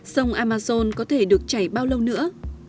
sông amazon có thể được chảy bao lâu nữa